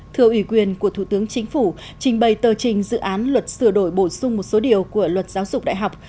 thưa ủy quyền của thủ tướng chính phủ trình bày tờ trình dự án luật sửa đổi bổ sung một số điều của luật giáo dục đại học